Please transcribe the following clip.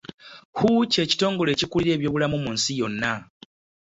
WHO ky'ekitongole ekikulira eby'obulamu mu nsi yonna.